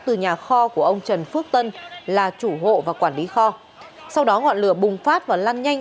từ nhà kho của ông trần phước tân là chủ hộ và quản lý kho sau đó ngọn lửa bùng phát và lan nhanh